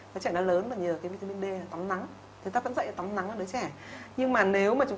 đứa trẻ nó lớn và nhiều cái vitamin d là tắm nắng